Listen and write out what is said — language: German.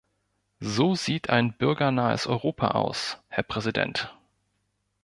So sieht ein bürgernahes Europa aus, Herr Präsident!